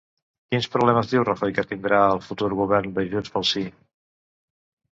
Quins problemes diu Rajoy que tindrà el futur govern de Junts pel Sí?